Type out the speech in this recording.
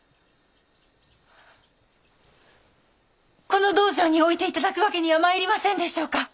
この道場に置いて頂く訳にはまいりませんでしょうか。